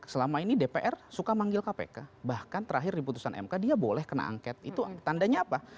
selama ini dpr suka manggil kpk bahkan terakhir di putusan mk dia boleh kena angket itu tandanya apa